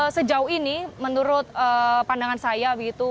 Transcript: dan sejauh ini menurut pandangan saya begitu